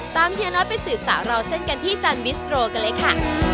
เฮียน้อยไปสืบสาวราวเส้นกันที่จันบิสโตรกันเลยค่ะ